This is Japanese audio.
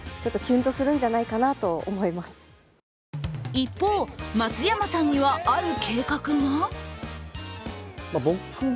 一方、松山さんにはある計画が？